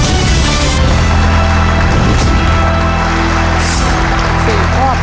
ตอนนี้เราเป็นปีนเล็กไม่ดี